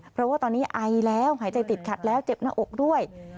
เพราะว่าตอนนี้ไอแล้วหายใจติดขัดแล้วเจ็บหน้าอกด้วย